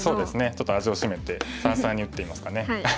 ちょっと味をしめて三々に打ってみますかね。